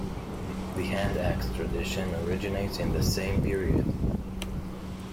The hand-axe tradition originates in the same period.